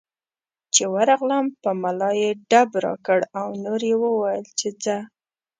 چې ورغلم په ملا یې ډب راکړ او نور یې وویل چې ځه.